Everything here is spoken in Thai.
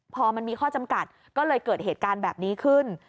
พอมันมีข้อจำกัดก็เลยเกิดเหตุการณ์แบบนี้ขึ้น